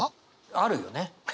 あるよね。